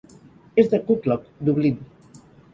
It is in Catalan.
És de Coolock, Dublín.